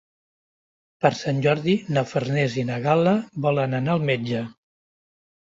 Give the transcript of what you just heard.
Per Sant Jordi na Farners i na Gal·la volen anar al metge.